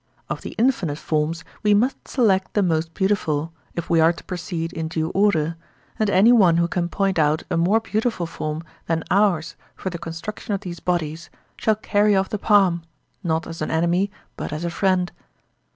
Of the infinite forms we must select the most beautiful, if we are to proceed in due order, and any one who can point out a more beautiful form than ours for the construction of these bodies, shall carry off the palm, not as an enemy, but as a friend.